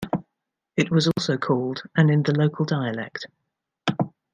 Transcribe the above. It was also called and in the local dialect.